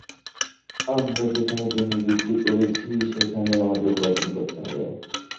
আমরা যেখানে জমি বিক্রি করেছি সেখানেই আমাদের উপার্জন করতে হবে।